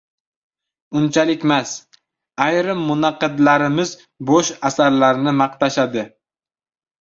– Unchalikmas. Ayrim munaqqidlarimiz bo‘sh asarlarni maqtashadi.